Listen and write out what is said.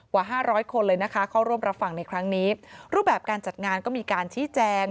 กว่าห้าร้อยคนเลยนะคะเข้าร่วมรับฟังในครั้งนี้รูปแบบการจัดงานก็มีการชี้แจง